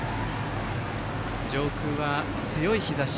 上空は強い日ざし。